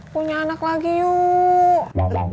punya anak lagi yuk